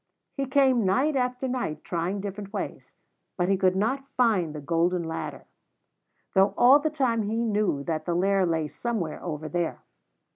He came night after night, trying different ways; but he could not find the golden ladder, though all the time he knew that the Lair lay somewhere over there.